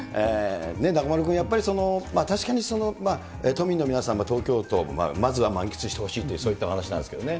中丸君、やっぱり確かに都民の皆さん、東京都、まずは満喫してほしいというそういったお話なんですけどね。